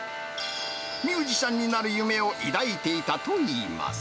ミュージシャンになる夢を抱いていたといいます。